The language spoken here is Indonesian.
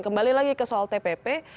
kembali lagi ke soal tpp